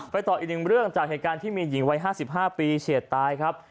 ต่ออีกหนึ่งเรื่องจากเหตุการณ์ที่มีหญิงวัย๕๕ปีเฉียดตายครับ